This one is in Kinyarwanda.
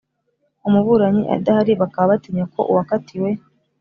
umuburanyi adahari bakaba batinya ko uwakatiwe